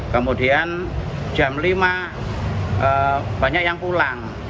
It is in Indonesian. kemudian jam lima banyak yang pulang